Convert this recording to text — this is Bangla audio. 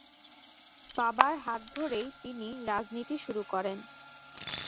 বাবার হাত ধরেই তিনি রাজনীতি শুরু করেন।